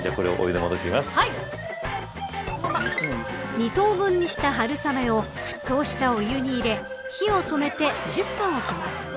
２等分にした春雨を沸騰したお湯に入れ火を止めて１０分置きます。